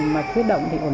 mạch khuyết động thì ổn định